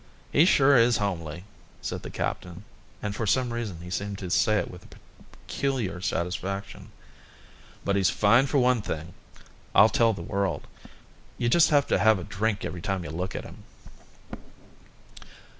"He sure is homely," said the captain, and for some reason he seemed to say it with a peculiar satisfaction. "But he's fine for one thing, I'll tell the world; you just have to have a drink every time you look at him."